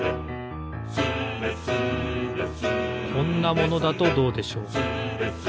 「スレスレ」こんなものだとどうでしょう？